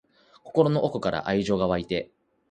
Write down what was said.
心の奥から愛情が湧いて